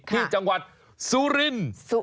ที่จังหวัดสุรินทร์